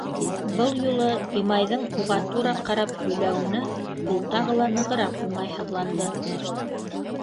Был юлы Имайҙың уға тура ҡарап һөйләүенә ул тағы ла нығыраҡ уңайһыҙланды.